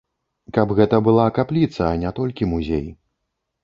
Каб гэта была капліца, а не толькі музей.